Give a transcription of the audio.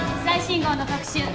最新号の特集